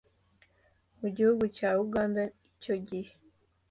mu gihugu cya Uganda icyo gihe